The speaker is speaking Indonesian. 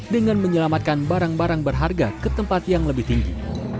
dengan menyelamatkan barang barang berharga ke tempat yang lebih tinggi